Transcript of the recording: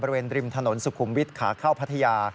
บริเวณริมถนนสุขุมวิทขาเข้าพัทยา